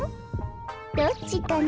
どっちかな？